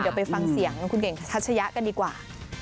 เดี๋ยวไปฟังเสียงคุณเก่งทัชยะกันดีกว่า